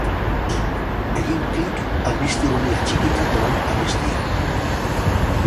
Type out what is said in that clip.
Egin klik albiste honi atxikita doan abestian!